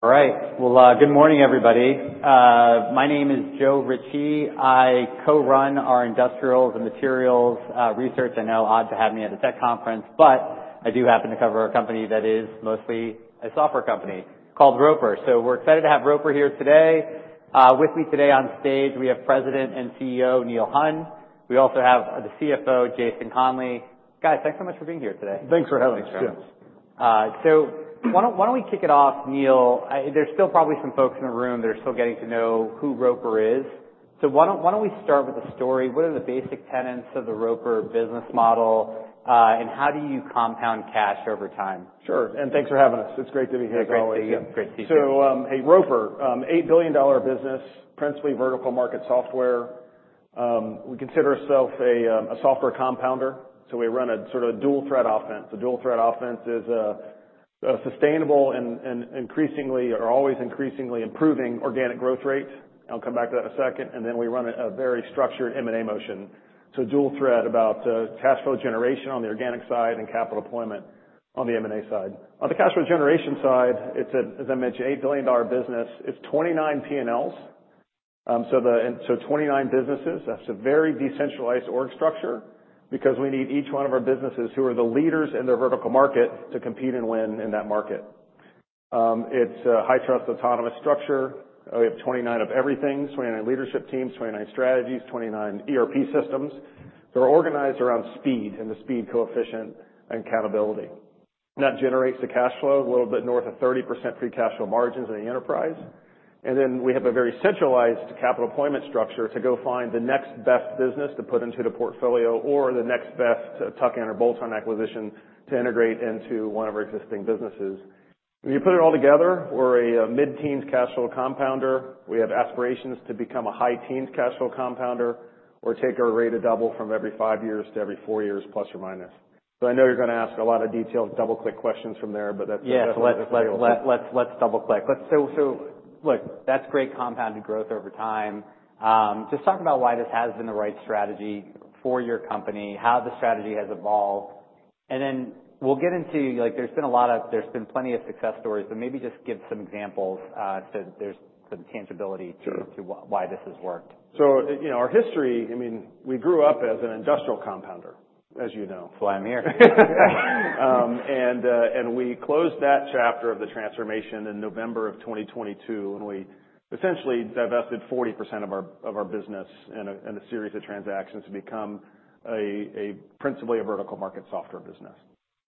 All right. Good morning, everybody. My name is Joe Ritchie. I co-run our industrials and materials research. I know it's odd to have me at a tech conference, but I do happen to cover a company that is mostly a software company called Roper. So we're excited to have Roper here today. With me today on stage, we have President and CEO Neil Hunn. We also have the CFO, Jason Conley. Guys, thanks so much for being here today. Thanks for having us. Thanks, Jim. So why don't we kick it off, Neil? There's still probably some folks in the room that are still getting to know who Roper is. So why don't we start with the story? What are the basic tenets of the Roper business model, and how do you compound cash over time? Sure. And thanks for having us. It's great to be here as always. Thanks. Great to see you. Hey, Roper, $8 billion business, principally vertical market software. We consider ourselves a software compounder. We run a sort of dual-threat offense. A dual-threat offense is a sustainable and increasingly - or always increasingly - improving organic growth rate. I'll come back to that in a second. Then we run a very structured M&A motion. Dual-threat about cash flow generation on the organic side and capital deployment on the M&A side. On the cash flow generation side, it's, as I mentioned, $8 billion business. It's 29 P&Ls, so - and so 29 businesses. That's a very decentralized org structure because we need each one of our businesses who are the leaders in their vertical market to compete and win in that market. It's a high-trust, autonomous structure. We have 29 of everything: 29 leadership teams, 29 strategies, 29 ERP systems. They're organized around speed and the speed coefficient and accountability. That generates the cash flow a little bit north of 30% free cash flow margins in the enterprise, and then we have a very centralized capital deployment structure to go find the next best business to put into the portfolio or the next best tuck-in or bolt-on acquisition to integrate into one of our existing businesses. When you put it all together, we're a mid-teens cash flow compounder. We have aspirations to become a high-teens cash flow compounder or take our rate of double from every five years to every four years, plus or minus. So I know you're gonna ask a lot of detailed double-click questions from there, but that's— Yeah. So let's double-click. So look, that's great compounded growth over time. Just talk about why this has been the right strategy for your company, how the strategy has evolved. And then we'll get into, like, there's been plenty of success stories, but maybe just give some examples, so that there's some tangibility. Sure. To why this has worked. So, you know, our history, I mean, we grew up as an industrial compounder, as you know. That's why I'm here. We closed that chapter of the transformation in November of 2022, and we essentially divested 40% of our business in a series of transactions to become principally a vertical market software business.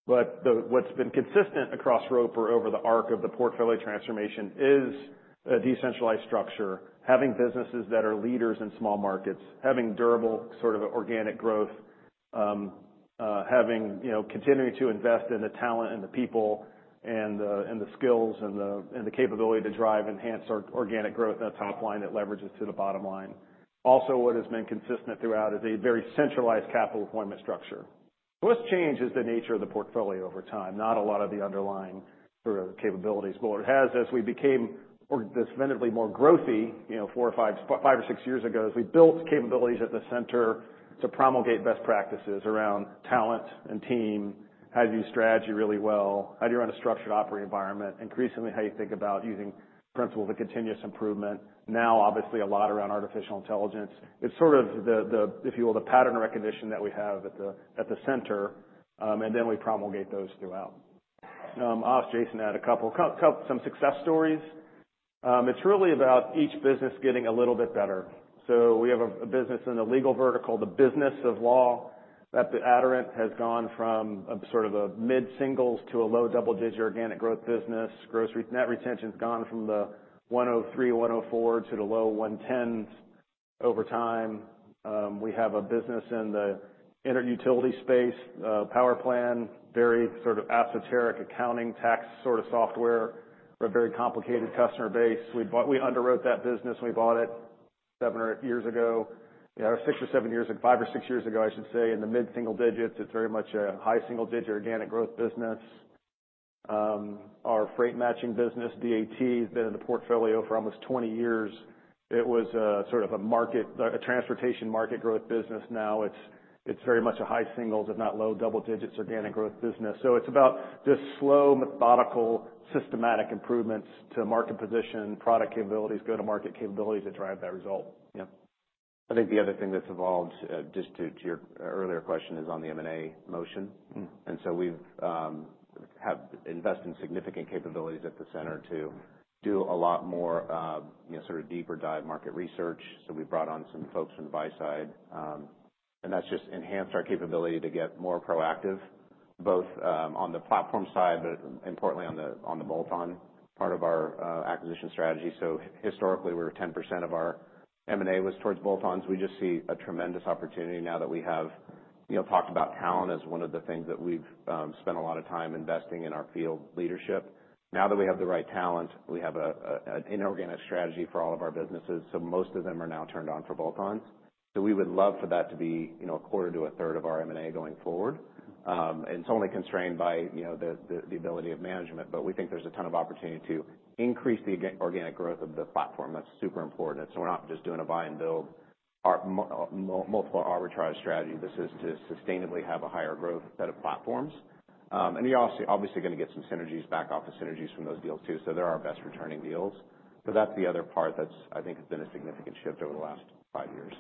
But what's been consistent across Roper over the arc of the portfolio transformation is a decentralized structure, having businesses that are leaders in small markets, having durable sort of organic growth, having, you know, continuing to invest in the talent and the people and the skills and the capability to drive and enhance our organic growth and the top line that leverages to the bottom line. Also, what has been consistent throughout is a very centralized capital deployment structure. So what's changed is the nature of the portfolio over time, not a lot of the underlying sort of capabilities. But what it has as we became this vertically more growthy, you know, four or five, five or six years ago, as we built capabilities at the center to promulgate best practices around talent and team, how to use strategy really well, how do you run a structured operating environment, increasingly how you think about using principles of continuous improvement. Now, obviously, a lot around artificial intelligence. It's sort of the, if you will, the pattern recognition that we have at the center, and then we promulgate those throughout. I'll have Jason add a couple, some success stories. It's really about each business getting a little bit better. So we have a business in the legal vertical, the business of law that Aderant has gone from a sort of a mid-singles to a low double-digit organic growth business. Gross net retention's gone from the 103%-104% to the low 110s over time. We have a business in the energy utility space, PowerPlan, very sort of esoteric accounting tax sort of software for a very complicated customer base. We bought. We underwrote that business. We bought it seven or eight years ago. Yeah, or six or seven years ago, five or six years ago, I should say, in the mid-single digits. It's very much a high single-digit organic growth business. Our freight matching business, DAT, has been in the portfolio for almost 20 years. It was a sort of a market, a transportation market growth business. Now it's very much a high singles, if not low double-digits organic growth business. So it's about just slow, methodical, systematic improvements to market position, product capabilities, go-to-market capabilities that drive that result. Yeah. I think the other thing that's evolved, just to your earlier question is on the M&A motion. Mm-hmm. And so we've invested in significant capabilities at the center to do a lot more, you know, sort of deeper dive market research. So we brought on some folks from the buy side, and that's just enhanced our capability to get more proactive, both on the platform side, but importantly on the bolt-on part of our acquisition strategy. So historically, we were 10% of our M&A was towards bolt-ons. We just see a tremendous opportunity now that we have, you know, talked about talent as one of the things that we've spent a lot of time investing in our field leadership. Now that we have the right talent, we have an inorganic strategy for all of our businesses. So most of them are now turned on for bolt-ons. So we would love for that to be, you know, a quarter to a third of our M&A going forward. And it's only constrained by, you know, the ability of management, but we think there's a ton of opportunity to increase the organic growth of the platform. That's super important. We're not just doing a buy and build, our multiple arbitrage strategy. This is to sustainably have a higher growth set of platforms. And we're also obviously gonna get some synergies back off the synergies from those deals too. So there are best returning deals. But that's the other part that's, I think, has been a significant shift over the last five years.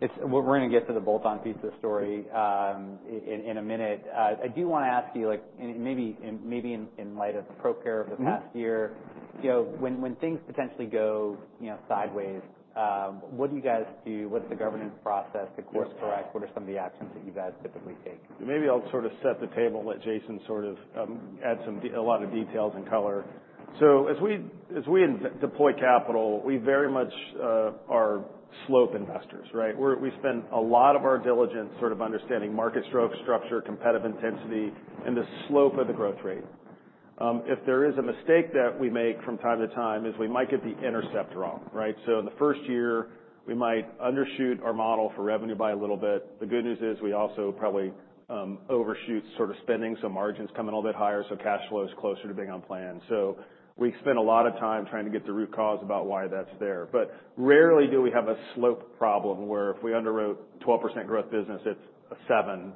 It's what we're gonna get to the bolt-on piece of the story in a minute. I do wanna ask you, like, and maybe in light of ProCare of the past year, you know, when things potentially go, you know, sideways, what do you guys do? What's the governance process to course correct? What are some of the actions that you guys typically take? Maybe I'll sort of set the table and let Jason sort of add some detail, a lot of details and color. So as we invest and deploy capital, we very much are slope investors, right? We're spend a lot of our diligence sort of understanding market structure, competitive intensity, and the slope of the growth rate. If there is a mistake that we make from time to time is we might get the intercept wrong, right? So in the first year, we might undershoot our model for revenue by a little bit. The good news is we also probably overshoot sort of spending, so margins come in a little bit higher, so cash flow is closer to being on plan. So we spend a lot of time trying to get the root cause about why that's there. But rarely do we have a slope problem where if we underwrote 12% growth business, it's a 7%.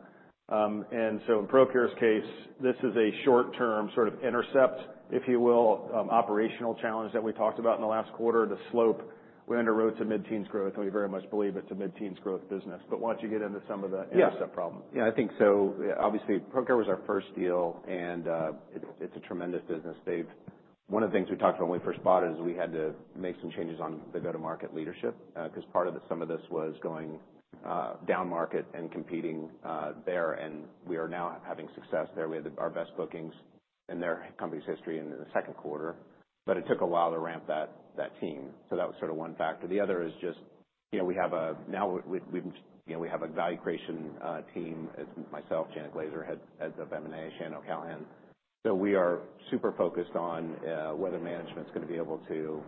And so in ProCare's case, this is a short-term sort of intercept, if you will, operational challenge that we talked about in the last quarter. The slope, we underwrote to mid-teens growth, and we very much believe it's a mid-teens growth business. But once you get into some of the intercept problems. Yeah. Yeah, I think so. Obviously, ProCare was our first deal, and it's a tremendous business. They've. One of the things we talked about when we first bought it is we had to make some changes on the go-to-market leadership, 'cause part of the, some of this was going down market and competing there. And we are now having success there. We had our best bookings in their company's history in the second quarter, but it took a while to ramp that team. So that was sort of one factor. The other is just, you know, we have a. Now we've, you know, we have a value creation team as myself, Janet Glazer, heads of M&A, Shannon O'Callaghan. So we are super focused on whether management's gonna be able to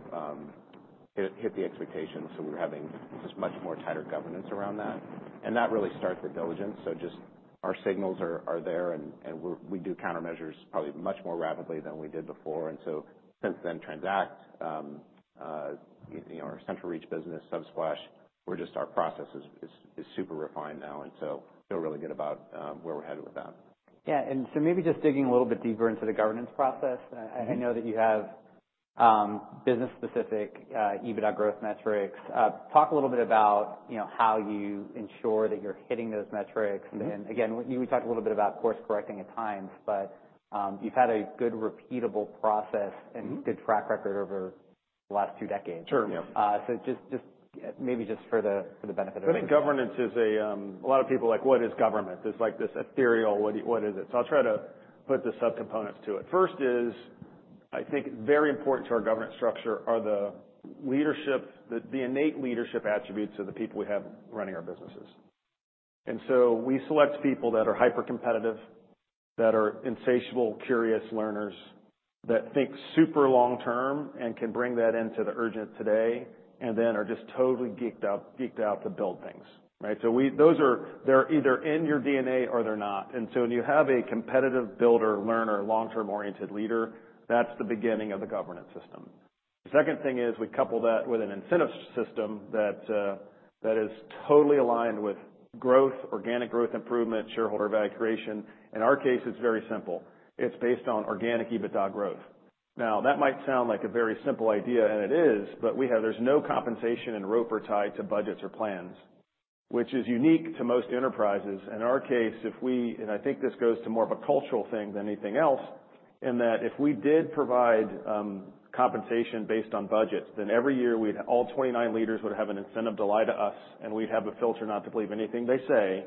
hit the expectations. So we're having just much more tighter governance around that. And that really starts the diligence. So just our signals are there, and we're we do countermeasures probably much more rapidly than we did before. And so since then, Transact, you know, our CentralReach business, Subsplash, where just our process is super refined now. And so feel really good about where we're headed with that. Yeah. And so maybe just digging a little bit deeper into the governance process. I know that you have business-specific EBITDA growth metrics. Talk a little bit about, you know, how you ensure that you're hitting those metrics. And again, we talked a little bit about course correcting at times, but you've had a good repeatable process and good track record over the last two decades. Sure. Yeah. Just maybe for the benefit of the... I think governance is a lot of people are like, "What is government?" It's like this ethereal, "What is it?" So I'll try to put the subcomponents to it. First is, I think very important to our governance structure are the leadership, the innate leadership attributes of the people we have running our businesses. And so we select people that are hyper-competitive, that are insatiable, curious learners, that think super long-term and can bring that into the urgent today, and then are just totally geeked up, geeked out to build things, right? So we, those are, they're either in your DNA or they're not. And so when you have a competitive builder, learner, long-term-oriented leader, that's the beginning of the governance system. The second thing is we couple that with an incentive system that is totally aligned with growth, organic growth improvement, shareholder value creation. In our case, it's very simple. It's based on organic EBITDA growth. Now, that might sound like a very simple idea, and it is, but we have, there's no compensation in Roper tied to budgets or plans, which is unique to most enterprises, and in our case, if we, and I think this goes to more of a cultural thing than anything else, in that if we did provide compensation based on budget, then every year we'd have all 29 leaders an incentive to lie to us, and we'd have a filter not to believe anything they say,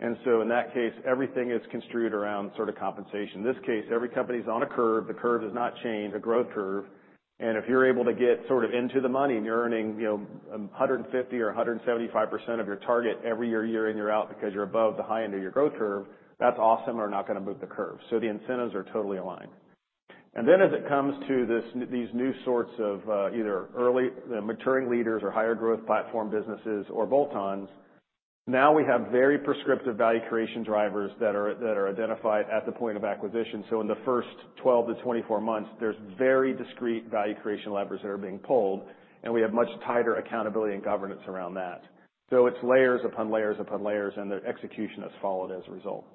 and so in that case, everything is construed around sort of compensation. In this case, every company's on a curve. The curve does not change, a growth curve. And if you're able to get sort of into the money and you're earning, you know, 150% or 175% of your target every year, year in, year out because you're above the high end of your growth curve, that's awesome or not gonna move the curve. So the incentives are totally aligned. And then as it comes to this new, these new sorts of, either early, maturing leaders or higher growth platform businesses or bolt-ons, now we have very prescriptive value creation drivers that are, that are identified at the point of acquisition. So in the first 12-24 months, there's very discrete value creation levers that are being pulled, and we have much tighter accountability and governance around that. So it's layers upon layers upon layers, and the execution has followed as a result.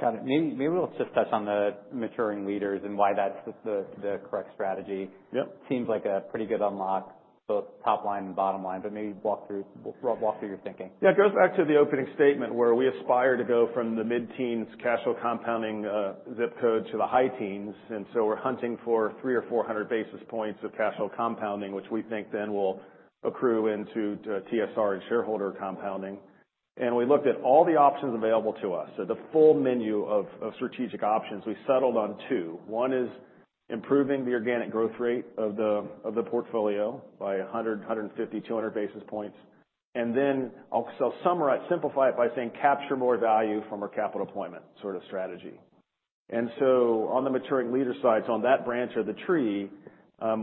Got it. Maybe, maybe we'll just touch on the maturing leaders and why that's the correct strategy. Yep. Seems like a pretty good unlock, both top line and bottom line, but maybe walk through your thinking. Yeah. It goes back to the opening statement where we aspire to go from the mid-teens cash flow compounding zip code to the high teens. And so we're hunting for three or four hundred basis points of cash flow compounding, which we think then will accrue into TSR and shareholder compounding. And we looked at all the options available to us, so the full menu of strategic options. We settled on two. One is improving the organic growth rate of the portfolio by 100-200 basis points. And then I'll so I'll summarize, simplify it by saying capture more value from our capital deployment sort of strategy. And so on the maturing leader side, so on that branch of the tree,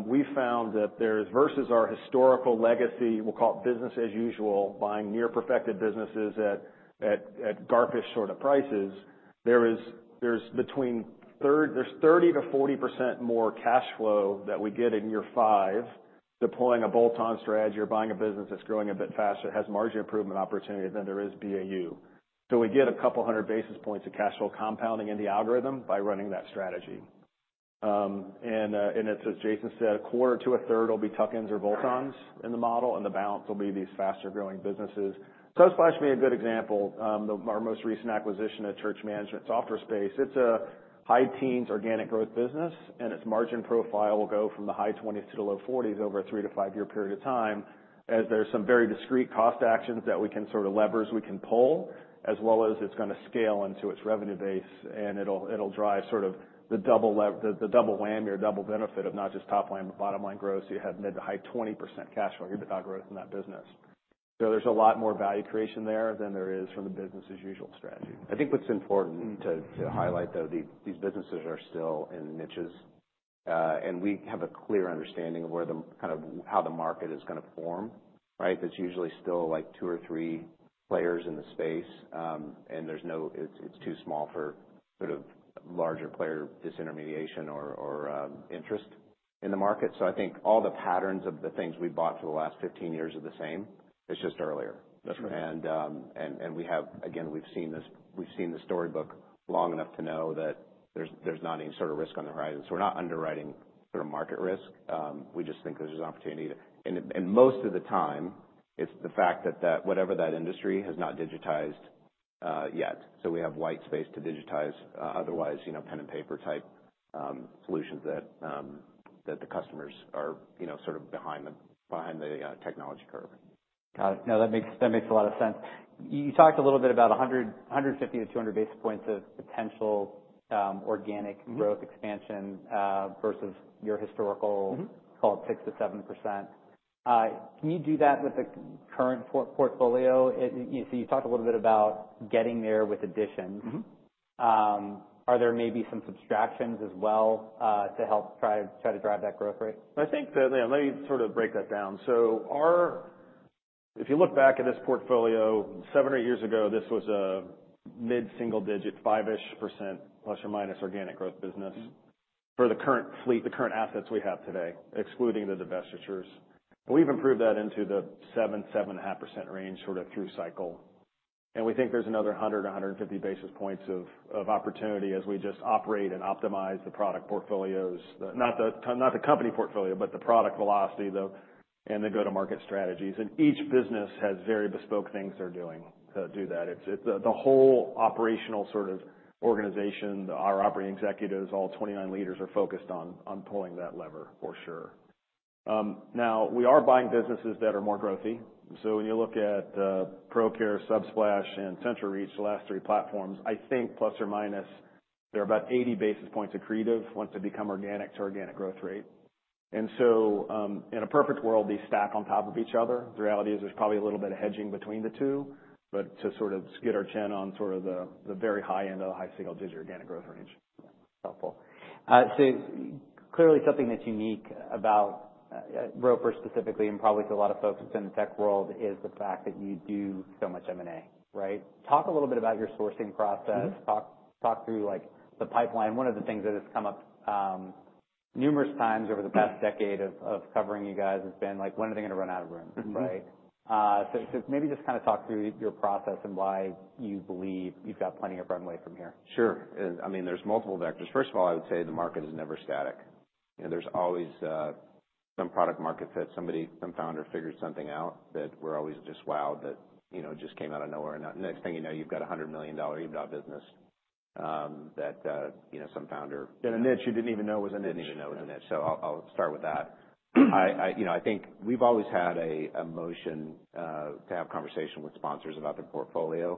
we found that there's versus our historical legacy, we'll call it business as usual, buying near-perfected businesses at garbage sort of prices. There's 30%-40% more cash flow that we get in year five deploying a bolt-on strategy or buying a business that's growing a bit faster, has margin improvement opportunity than there is BAU. So we get a couple hundred basis points of cash flow compounding in the algorithm by running that strategy, and it's as Jason said, a quarter to a third will be tuck-ins or bolt-ons in the model, and the balance will be these faster growing businesses. Subsplash would be a good example. Our most recent acquisition of Subsplash, it's a high teens organic growth business, and its margin profile will go from the high 20s% to the low 40s% over a three- to five-year period of time as there's some very discrete cost actions that we can sort of levers we can pull, as well as it's gonna scale into its revenue base, and it'll drive sort of the double whammy or double benefit of not just top line but bottom line growth. So you have mid- to high 20% cash flow EBITDA growth in that business. So there's a lot more value creation there than there is from the business as usual strategy. I think what's important to highlight though, these businesses are still in niches, and we have a clear understanding of where the kind of how the market is gonna form, right? There's usually still like two or three players in the space, and there's no, it's too small for sort of larger player disintermediation or interest in the market, so I think all the patterns of the things we bought for the last 15 years are the same. It's just earlier. That's right. And we have, again, we've seen this, we've seen the storybook long enough to know that there's not any sort of risk on the horizon. So we're not underwriting sort of market risk. We just think there's an opportunity to, and most of the time it's the fact that whatever that industry has not digitized yet. So we have white space to digitize, otherwise, you know, pen and paper type solutions that the customers are, you know, sort of behind the technology curve. Got it. No, that makes a lot of sense. You talked a little bit about 100, 150-200 basis points of potential organic growth expansion versus your historical, call it 6%-7%. Can you do that with the current portfolio? It, you know, so you talked a little bit about getting there with additions. Mm-hmm. Are there maybe some subtractions as well, to help try to drive that growth rate? I think that, you know, let me sort of break that down. So our, if you look back at this portfolio seven or eight years ago, this was a mid-single digit, five-ish % plus or minus organic growth business for the current fleet, the current assets we have today, excluding the divestitures. But we've improved that into the 7-7.5% range sort of through cycle. And we think there's another 100-150 basis points of, of opportunity as we just operate and optimize the product portfolios, the, not the, not the company portfolio, but the product velocity, the, and the go-to-market strategies. And each business has very bespoke things they're doing to do that. It's, it's the whole operational sort of organization, our operating executives, all 29 leaders are focused on, on pulling that lever for sure. Now we are buying businesses that are more growthy. When you look at Procare, Subsplash, and CentralReach, the last three platforms, I think plus or minus they're about 80 basis points accretive once they become organic to organic growth rate. In a perfect world, these stack on top of each other. The reality is there's probably a little bit of hedging between the two, but to sort of stick our chin out on sort of the very high end of the high single digit organic growth range. Helpful. So clearly something that's unique about Roper specifically and probably to a lot of folks within the tech world is the fact that you do so much M&A, right? Talk a little bit about your sourcing process. Mm-hmm. Talk through like the pipeline. One of the things that has come up numerous times over the past decade of covering you guys has been like, "When are they gonna run out of room? Mm-hmm. Right? So maybe just kind of talk through your process and why you believe you've got plenty of runway from here. Sure, and I mean, there's multiple vectors. First of all, I would say the market is never static. You know, there's always some product market fit. Somebody, some founder figured something out that we're always just wowed that, you know, just came out of nowhere. And next thing you know, you've got a $100 million EBITDA business that, you know, some founder. In a niche you didn't even know was a niche. You didn't even know was a niche. So I'll start with that. I, you know, I think we've always had a motion to have conversation with sponsors about the portfolio.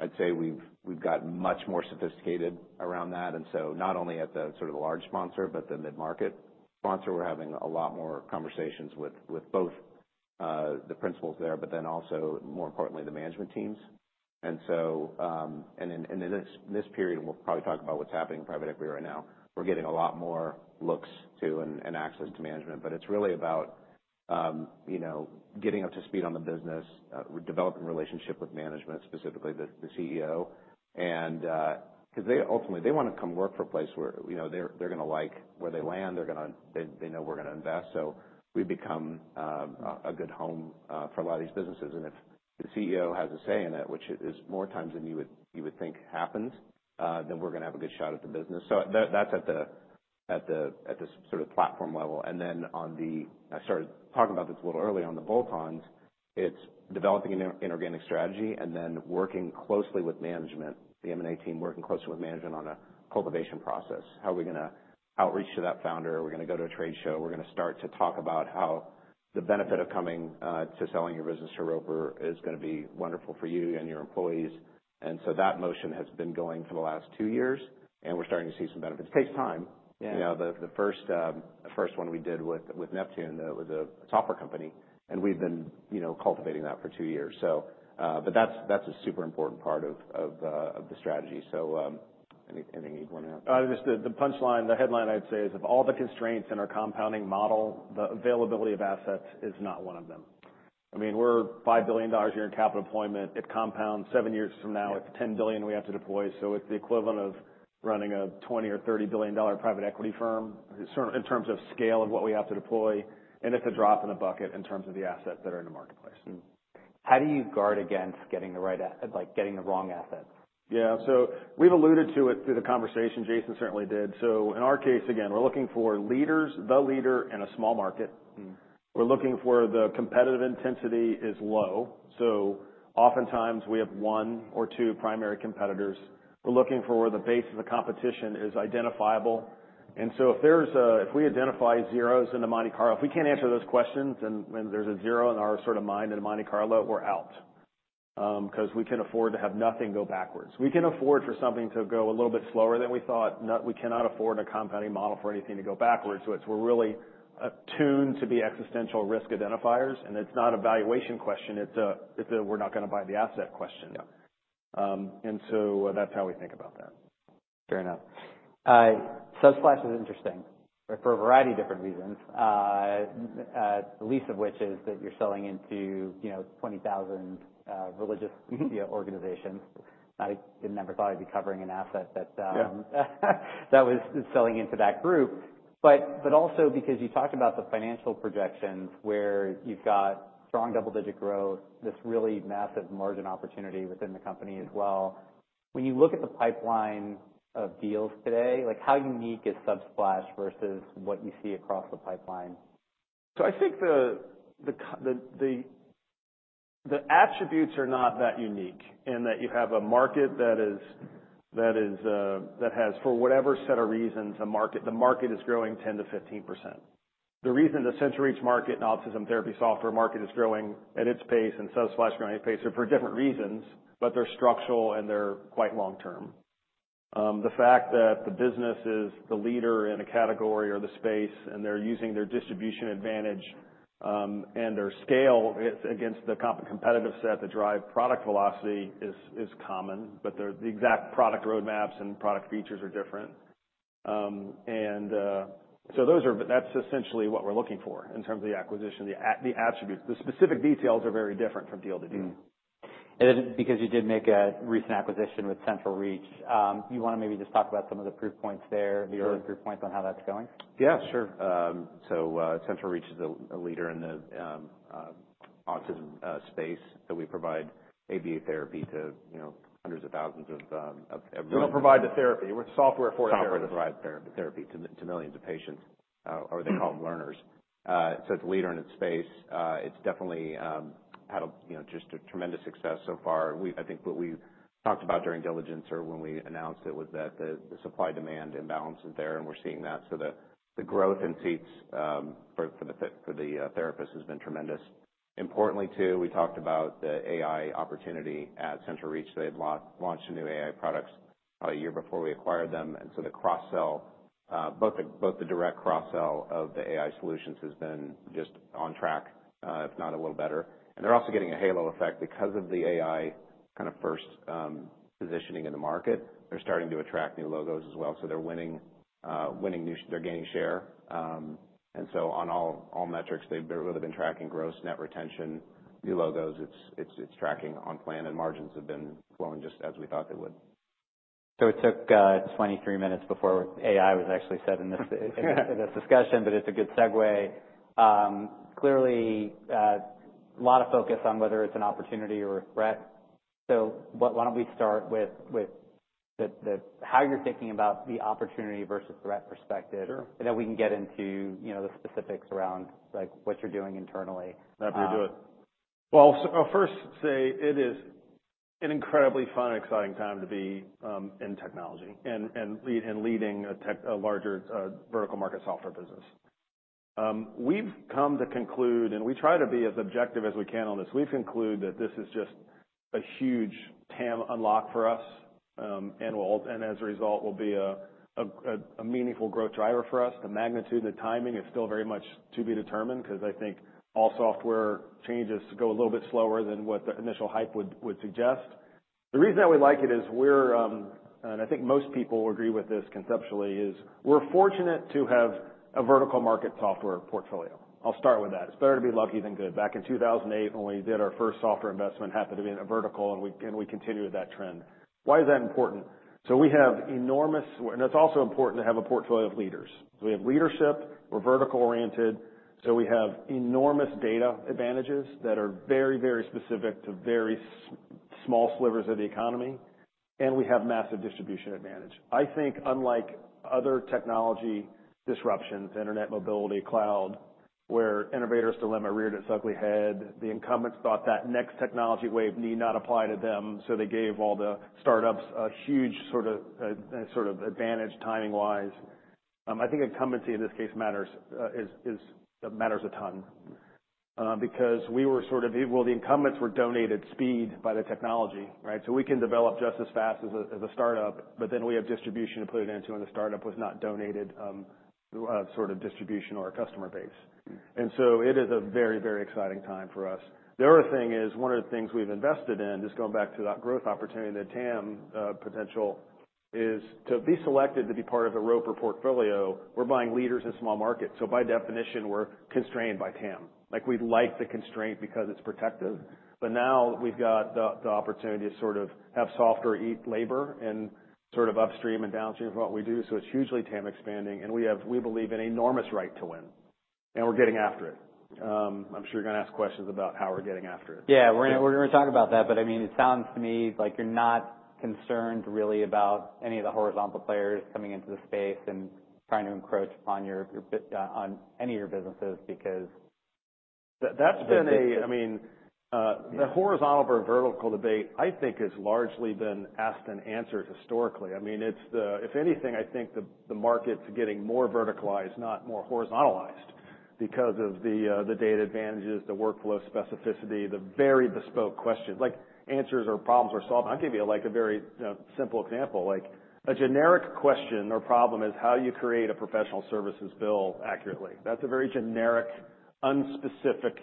I'd say we've gotten much more sophisticated around that. And so not only at the sort of the large sponsor, but the mid-market sponsor, we're having a lot more conversations with both the principals there, but then also, more importantly, the management teams. And so in this period, and we'll probably talk about what's happening in private equity right now, we're getting a lot more looks to and access to management. But it's really about, you know, getting up to speed on the business, developing a relationship with management, specifically the CEO. 'Cause they ultimately wanna come work for a place where, you know, they're gonna like where they land. They're gonna. They know we're gonna invest. We become a good home for a lot of these businesses. If the CEO has a say in it, which is more times than you would think happens, then we're gonna have a good shot at the business. That's at the sort of platform level. On the bolt-ons, I started talking about this a little early. It's developing an inorganic strategy and then working closely with management, the M&A team, working closely with management on a cultivation process. How are we gonna outreach to that founder? We're gonna go to a trade show. We're gonna start to talk about how the benefit of coming to selling your business to Roper is gonna be wonderful for you and your employees. And so that motion has been going for the last two years, and we're starting to see some benefits. It takes time. Yeah. You know, the first one we did with Neptune, that was a software company, and we've been, you know, cultivating that for two years. So, but that's a super important part of the strategy. So, anything you'd wanna add? Just the punchline, the headline I'd say is of all the constraints in our compounding model, the availability of assets is not one of them. I mean, we're $5 billion a year in capital deployment. It compounds seven years from now. Right. It's $10 billion we have to deploy. So it's the equivalent of running a $20 or $30 billion private equity firm, sort of in terms of scale of what we have to deploy, and it's a drop in the bucket in terms of the assets that are in the marketplace. How do you guard against getting the right a, like getting the wrong assets? Yeah. So we've alluded to it through the conversation. Jason certainly did. So in our case, again, we're looking for leaders, the leader in a small market. Mm-hmm. We're looking for the competitive intensity is low. So oftentimes we have one or two primary competitors. We're looking for where the base of the competition is identifiable. And so if we identify zeros in the Monte Carlo, if we can't answer those questions and there's a zero in our sort of mind in the Monte Carlo, we're out, 'cause we can afford to have nothing go backwards. We can afford for something to go a little bit slower than we thought. No, we cannot afford a compounding model for anything to go backwards. So it's we're really attuned to be existential risk identifiers, and it's not a valuation question. It's a we're not gonna buy the asset question. Yeah. and so, that's how we think about that. Fair enough. Subsplash is interesting for a variety of different reasons, the least of which is that you're selling into, you know, 20,000 religious. Mm-hmm. You know, organizations. I didn't ever thought I'd be covering an asset that, Yeah. That was selling into that group, but also because you talked about the financial projections where you've got strong double-digit growth, this really massive margin opportunity within the company as well. When you look at the pipeline of deals today, like how unique is Subsplash versus what you see across the pipeline? So I think the attributes are not that unique in that you have a market that has for whatever set of reasons the market is growing 10%-15%. The reason the CentralReach market and autism therapy software market is growing at its pace and Subsplash growing at its pace are for different reasons, but they're structural and they're quite long-term. The fact that the business is the leader in a category or the space and they're using their distribution advantage and their scale against the competitive set to drive product velocity is common, but the exact product roadmaps and product features are different, and so that's essentially what we're looking for in terms of the acquisition, the attributes. The specific details are very different from deal to deal. Mm-hmm. And then because you did make a recent acquisition with CentralReach, you wanna maybe just talk about some of the proof points there, the early proof points on how that's going? Yeah, sure. CentralReach is a leader in the autism space that we provide ABA therapy to, you know, hundreds of thousands of everyone. They don't provide the therapy. We're the software for it. Software to provide therapy to millions of patients, or they call them learners. It's a leader in its space. It's definitely had a, you know, just a tremendous success so far. We, I think what we talked about during diligence or when we announced it was that the supply-demand imbalance is there and we're seeing that. The growth in seats for the therapists has been tremendous. Importantly too, we talked about the AI opportunity at CentralReach. They had launched a new AI product probably a year before we acquired them. The cross-sell, both the direct cross-sell of the AI solutions has been just on track, if not a little better. They're also getting a halo effect because of the AI kind of first positioning in the market. They're starting to attract new logos as well. So they're winning new. They're gaining share. And so on all metrics, they've really been tracking gross net retention, new logos. It's tracking on plan and margins have been flowing just as we thought they would. So it took 23 minutes before AI was actually said in this discussion, but it's a good segue. Clearly, a lot of focus on whether it's an opportunity or a threat. So what, why don't we start with the how you're thinking about the opportunity versus threat perspective. Sure. We can get into, you know, the specifics around like what you're doing internally. Happy to do it. Well, so first, it is an incredibly fun and exciting time to be in technology and leading a larger vertical market software business. We've come to the conclusion, and we try to be as objective as we can on this. We've concluded that this is just a huge TAM unlock for us, and as a result will be a meaningful growth driver for us. The magnitude and the timing is still very much to be determined 'cause I think all software changes go a little bit slower than what the initial hype would suggest. The reason that we like it is, and I think most people agree with this conceptually, we're fortunate to have a vertical market software portfolio. I'll start with that. It's better to be lucky than good. Back in 2008, when we did our first software investment, happened to be in a vertical and we continued that trend. Why is that important? So we have enormous, and it's also important to have a portfolio of leaders. So we have leadership. We're vertical-oriented. So we have enormous data advantages that are very, very specific to very small slivers of the economy. And we have massive distribution advantage. I think unlike other technology disruptions, internet mobility, cloud, where innovators still have a head start, the incumbents thought that next technology wave need not apply to them. So they gave all the startups a huge sort of advantage timing-wise. I think incumbency in this case matters a ton, because we were sort of, well, the incumbents were donated speed by the technology, right? So we can develop just as fast as a startup, but then we have distribution to put it into and the startup does not have sort of distribution or a customer base. And so it is a very, very exciting time for us. The other thing is one of the things we've invested in, just going back to that growth opportunity; the TAM potential is to be selected to be part of the Roper portfolio. We're buying leaders in small markets. So by definition, we're constrained by TAM. Like we like the constraint because it's protective, but now we've got the opportunity to sort of have software eat labor and sort of upstream and downstream of what we do. So it's hugely TAM expanding and we have; we believe in enormous right to win. And we're getting after it. I'm sure you're gonna ask questions about how we're getting after it. Yeah. We're gonna talk about that, but I mean, it sounds to me like you're not concerned really about any of the horizontal players coming into the space and trying to encroach upon your, your pie, on any of your businesses because. That's been a. But. I mean, the horizontal versus vertical debate, I think, has largely been asked and answered historically. I mean, it's the, if anything, I think the market's getting more verticalized, not more horizontalized because of the data advantages, the workflow specificity, the very bespoke questions. Like answers or problems are solved. I'll give you like a very, you know, simple example. Like a generic question or problem is how do you create a professional services bill accurately? That's a very generic, unspecific,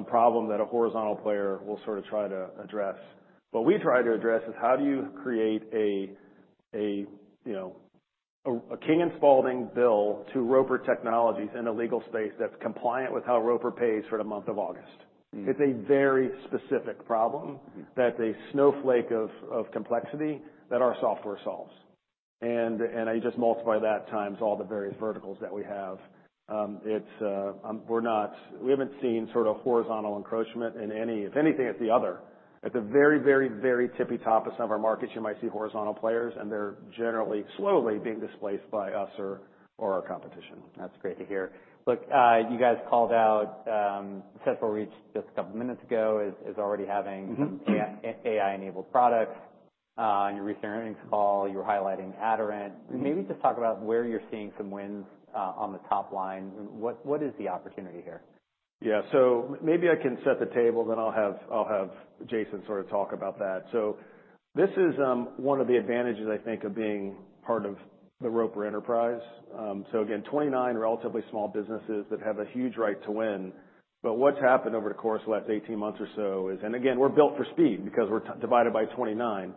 problem that a horizontal player will sort of try to address. What we try to address is how do you create a, you know, a King & Spalding bill to Roper Technologies in a legal space that's compliant with how Roper pays for the month of August. Mm-hmm. It's a very specific problem that's a snowflake of complexity that our software solves. I just multiply that times all the various verticals that we have. We're not, we haven't seen sort of horizontal encroachment in any. If anything, it's the other. At the very, very, very tippy top of some of our markets, you might see horizontal players and they're generally slowly being displaced by us or our competition. That's great to hear. Look, you guys called out, CentralReach just a couple of minutes ago is already having some AI-enabled products. In your recent earnings call, you were highlighting Aderant. Maybe just talk about where you're seeing some wins, on the top line. What is the opportunity here? Yeah. So maybe I can set the table, then I'll have, I'll have Jason sort of talk about that. So this is one of the advantages I think of being part of the Roper enterprise. So again, 29 relatively small businesses that have a huge right to win. But what's happened over the course of the last 18 months or so is, and again, we're built for speed because we're divided by 29.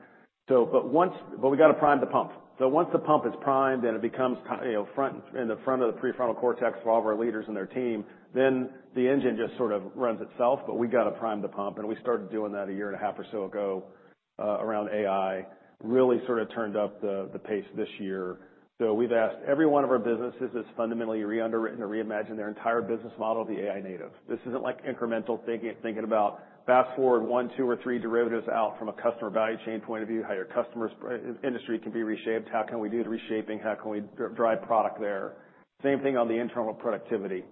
So, but once, but we gotta prime the pump. So once the pump is primed and it becomes you know, front in the front of the prefrontal cortex for all of our leaders and their team, then the engine just sort of runs itself. But we gotta prime the pump. And we started doing that a year and a half or so ago, around AI, really sort of turned up the, the pace this year. So we've asked every one of our businesses that's fundamentally re-underwritten or reimagined their entire business model to be AI-native. This isn't like incremental thinking about fast forward one, two, or three derivatives out from a customer value chain point of view, how your customer's industry can be reshaped, how can we do the reshaping, how can we drive product there. Same thing on the internal productivity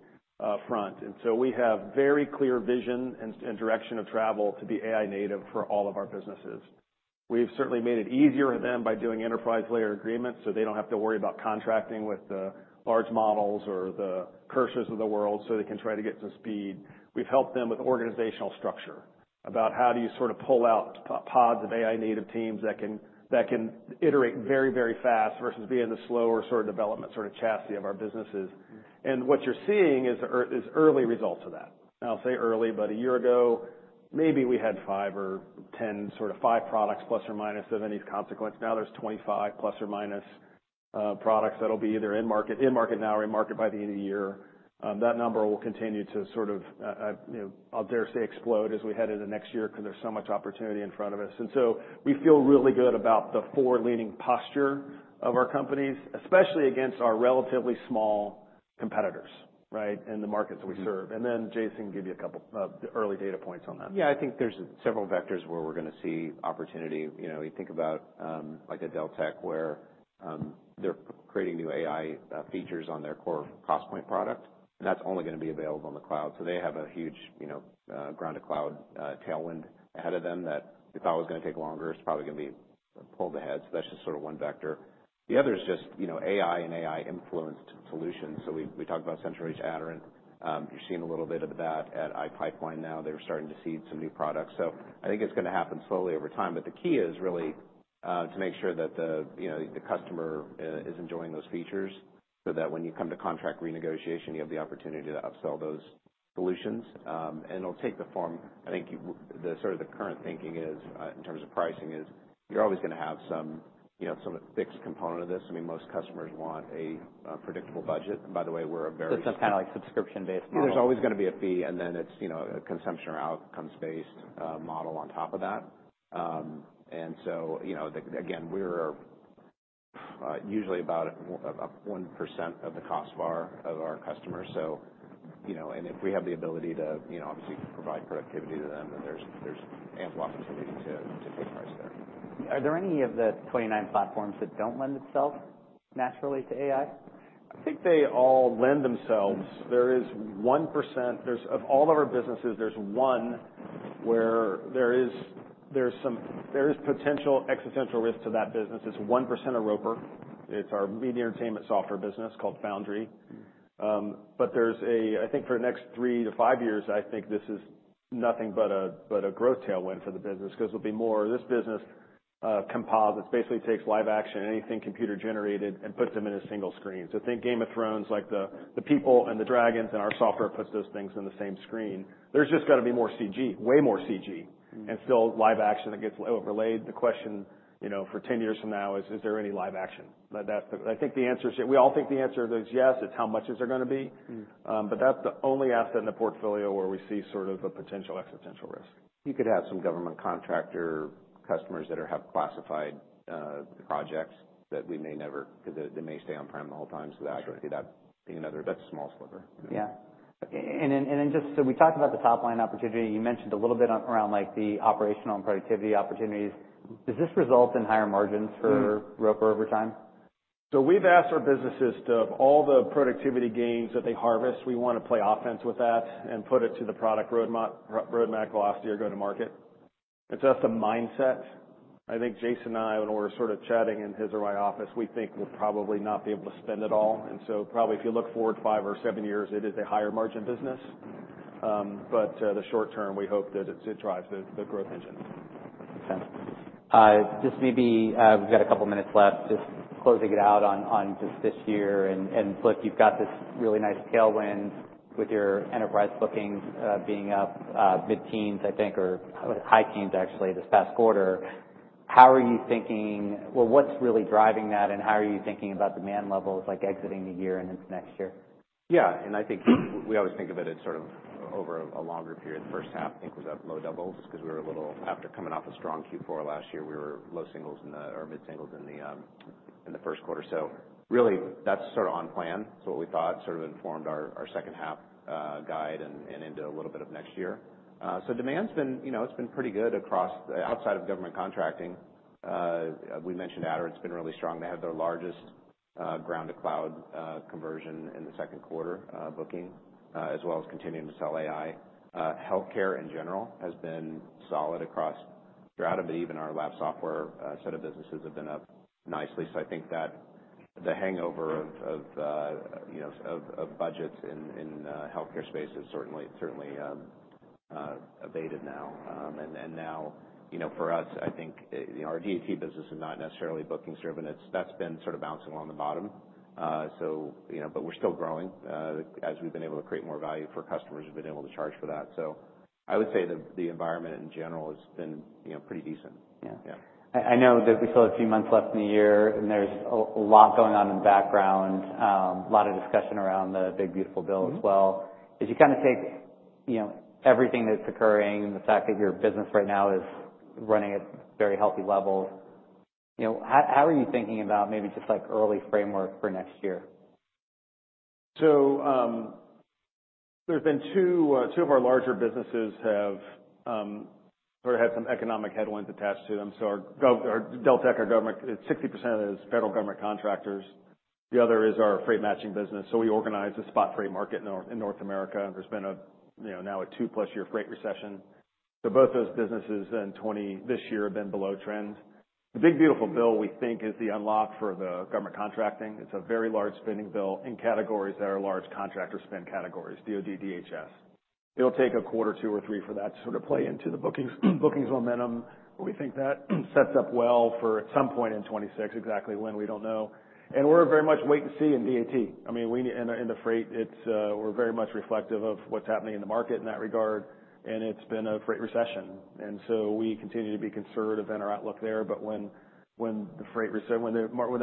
front, and so we have very clear vision and direction of travel to be AI-native for all of our businesses. We've certainly made it easier for them by doing enterprise-level agreements so they don't have to worry about contracting with the large models or the hyperscalers of the world so they can try to get up to speed. We've helped them with organizational structure about how do you sort of pull out pods of AI-native teams that can, that can iterate very, very fast versus being the slower sort of development sort of chassis of our businesses. And what you're seeing is, or is early results of that. I'll say early, but a year ago, maybe we had five or 10, sort of five products plus or minus of any consequence. Now there's 25 plus or minus products that'll be either in market, in market now, or in market by the end of the year. That number will continue to sort of, you know, I'll dare say explode as we head into next year 'cause there's so much opportunity in front of us. We feel really good about the forward-leaning posture of our companies, especially against our relatively small competitors, right, in the markets that we serve. Jason can give you a couple of early data points on that. Yeah. I think there's several vectors where we're gonna see opportunity. You know, you think about, like a Deltek where, they're creating new AI features on their core Costpoint product, and that's only gonna be available on the cloud. So they have a huge, you know, ground-to-cloud tailwind ahead of them that we thought was gonna take longer. It's probably gonna be pulled ahead. So that's just sort of one vector. The other is just, you know, AI and AI-influenced solutions. So we talked about CentralReach, Aderant. You're seeing a little bit of that at iPipeline now. They're starting to see some new products. So I think it's gonna happen slowly over time. But the key is really to make sure that the, you know, the customer is enjoying those features so that when you come to contract renegotiation, you have the opportunity to upsell those solutions. And it'll take the form. I think the sort of current thinking is, in terms of pricing, you're always gonna have some, you know, some fixed component of this. I mean, most customers want a predictable budget. And by the way, we're a very. It's kinda like subscription-based model. Yeah. There's always gonna be a fee and then it's, you know, a consumption or outcomes-based model on top of that, and so, you know, again, we're usually about a 1% of the cost bar of our customers. So, you know, and if we have the ability to, you know, obviously provide productivity to them, then there's ample opportunity to take price there. Are there any of the 29 platforms that don't lend itself naturally to AI? I think they all lend themselves. There is 1%. Of all of our businesses, there's one where there is some potential existential risk to that business. It's 1% of Roper. It's our media entertainment software business called Foundry. But I think for the next three to five years, this is nothing but a growth tailwind for the business 'cause it'll be more. This business composites basically takes live action, anything computer-generated, and puts them in a single screen. So think Game of Thrones, like the people and the dragons and our software puts those things in the same screen. There's just gotta be more CG, way more CG, and still live action that gets overlaid. The question, you know, for 10 years from now is, is there any live action? But that's the, I think the answer is, we all think the answer is yes. It's how much is there gonna be? But that's the only asset in the portfolio where we see sort of a potential existential risk. You could have some government contractor customers that have classified projects that we may never 'cause they may stay on-prem the whole time. So that I can see that being another, that's a small sliver. Yeah. We talked about the top line opportunity. You mentioned a little bit around like the operational and productivity opportunities. Does this result in higher margins for Roper over time? So, we've asked our businesses to, of all the productivity gains that they harvest, we wanna play offense with that and put it to the product roadmap, roadmap goal last year, go to market. It's just a mindset. I think Jason and I, when we were sort of chatting in his or my office, we think we'll probably not be able to spend it all. And so probably if you look forward five or seven years, it is a higher margin business. But, the short term, we hope that it drives the growth engine. Okay, just maybe, we've got a couple of minutes left. Just closing it out on just this year. And look, you've got this really nice tailwind with your enterprise bookings being up mid-teens, I think, or high-teens actually this past quarter. How are you thinking, well, what's really driving that and how are you thinking about demand levels like exiting the year and into next year? Yeah. And I think we always think of it as sort of over a longer period. The first half, I think, was at low doubles 'cause we were a little after coming off a strong Q4 last year; we were low singles or mid-singles in the first quarter. So really that's sort of on plan. So what we thought sort of informed our second half guide and into a little bit of next year. So demand's been, you know, it's been pretty good across, outside of government contracting. We mentioned Aderant. It's been really strong. They had their largest ground-to-cloud conversion in the second quarter booking, as well as continuing to sell AI. Healthcare in general has been solid across Strata, but even our lab software set of businesses have been up nicely. So I think that the hangover of you know budgets in healthcare space is certainly abated now. And now you know for us I think you know our DAT business is not necessarily booking-driven. It's. That's been sort of bouncing along the bottom. So you know but we're still growing as we've been able to create more value for customers who've been able to charge for that. So I would say the environment in general has been you know pretty decent. Yeah. Yeah. I know that we still have a few months left in the year and there's a lot going on in the background, a lot of discussion around the big beautiful bill as well. As you kinda take, you know, everything that's occurring and the fact that your business right now is running at very healthy levels, you know, how are you thinking about maybe just like early framework for next year? So, there have been two of our larger businesses that have sort of had some economic headwinds attached to them. Our Deltek government, 60% of it is federal government contractors. The other is our freight matching business. We organize a spot freight market in North America. There's been you know, now a two-plus-year freight recession. Both those businesses and '24 this year have been below trend. The big beautiful bill we think is the unlock for the government contracting. It's a very large spending bill in categories that are large contractor spend categories, DOD, DHS. It'll take a quarter, two or three for that to sort of play into the bookings momentum where we think that sets up well for at some point in 2026, exactly when we don't know. We're very much wait and see in DAT. I mean, we're in the freight, we're very much reflective of what's happening in the market in that regard, and it's been a freight recession, and so we continue to be conservative in our outlook there, but when the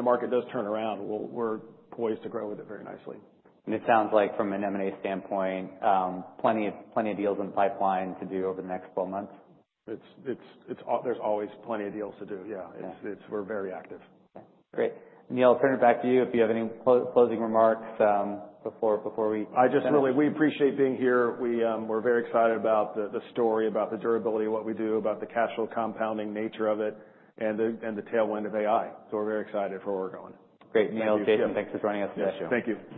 market does turn around, we're poised to grow with it very nicely. It sounds like from an M&A standpoint, plenty of deals in the pipeline to do over the next 12 months. There's always plenty of deals to do. Yeah. Yeah. It's, we're very active. Okay. Great. Neil, turn it back to you if you have any closing remarks, before we end. I just really, we appreciate being here. We, we're very excited about the story about the durability of what we do, about the cash flow compounding nature of it, and the tailwind of AI. So we're very excited for where we're going. Great. Neil, Jason, thanks for joining us today. Thank you.